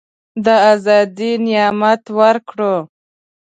د آزادی نعمت ورکړو.